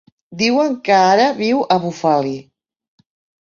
Diuen que ara viu a Bufali.